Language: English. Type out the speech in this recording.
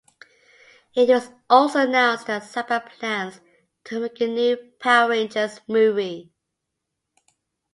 It was also announced that Saban plans to make a new Power Rangers movie.